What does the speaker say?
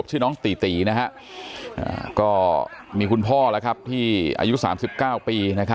ชื่อน้องตี้ตีมีคุณพ่อที่อายุ๓๙ปี